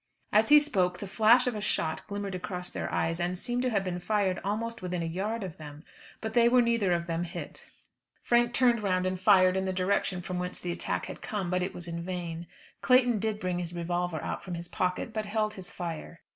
As he spoke the flash of a shot glimmered across their eyes, and seemed to have been fired almost within a yard of them; but they were neither of them hit. Frank turned round and fired in the direction from whence the attack had come, but it was in vain. Clayton did bring his revolver from out his pocket, but held his fire.